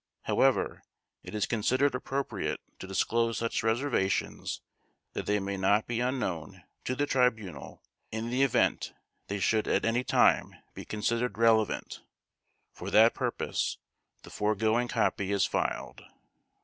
However, it is considered appropriate to disclose such reservations that they may not be unknown to the Tribunal in the event they should at any time be considered relevant. For that purpose, the foregoing copy is filed.